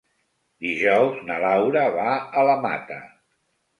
Dijous na Laura va a la Mata.